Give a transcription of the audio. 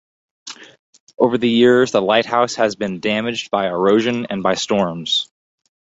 Over the years, the Lighthouse has been damaged by erosion and by storms.